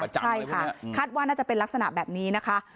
ใช่ค่ะคาดว่าน่าจะเป็นลักษณะแบบนี้นะคะ